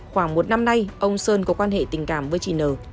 thay ông sơn có quan hệ tình cảm với chị n